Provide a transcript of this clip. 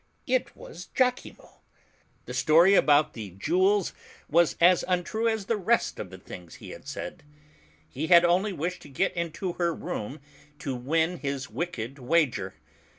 It was lachimo. The story about the jewels was as untrue as the rest of the things he had said. He had only wished to get into her room to win his wicked wager.